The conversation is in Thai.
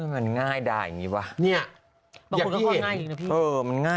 มันง่ายดายอย่างนี้วะ